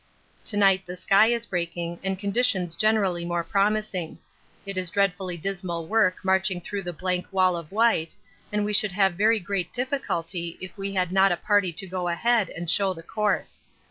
To night the sky is breaking and conditions generally more promising it is dreadfully dismal work marching through the blank wall of white, and we should have very great difficulty if we had not a party to go ahead and show the course.